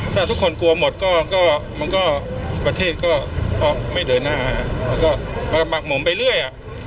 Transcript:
ถ้าทุกคนกลัวหมดก็มันก็ประเทศก็ไม่เดินหน้ามันก็หมักหมมไปเรื่อย